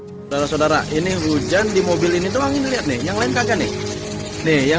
hai saudara saudara ini hujan di mobil ini tuh angin lihat nih yang lain kagak nih nih yang